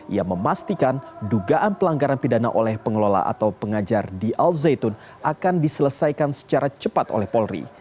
ia memastikan dugaan pelanggaran pidana oleh pengelola atau pengajar di al zaitun akan diselesaikan secara cepat oleh polri